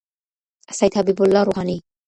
سيد حبيب الله روحاني